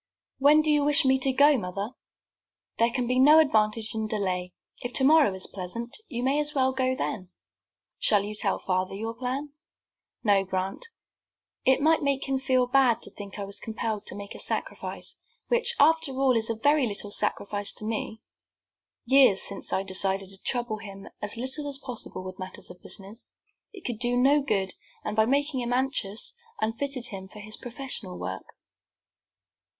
"When do you wish me to go, mother?" "There can be no advantage in delay. If tomorrow is pleasant, you may as well go then." "Shall you tell father your plan?" "No, Grant, it might make him feel bad to think I was compelled to make a sacrifice, which, after all, is very little of a sacrifice to me. Years since I decided to trouble him as little as possible with matters of business. It could do no good, and, by making him anxious, unfitted him for his professional work."